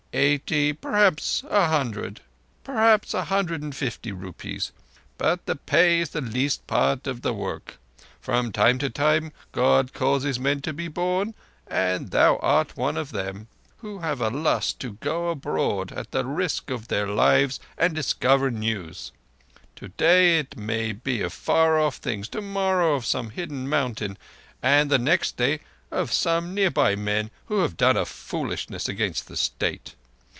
"Eighty—perhaps a hundred—perhaps a hundred and fifty rupees; but the pay is the least part of the work. From time to time, God causes men to be born—and thou art one of them—who have a lust to go abroad at the risk of their lives and discover news—today it may be of far off things, tomorrow of some hidden mountain, and the next day of some near by men who have done a foolishness against the State.